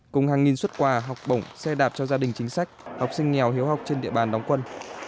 cùng hàng nghìn xuất quà học bổng xe đạp cho gia đình chính sách học sinh nghèo hiếu học trên địa bàn đóng quân